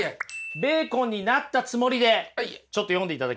ベーコンになったつもりでちょっと読んでいただけますか。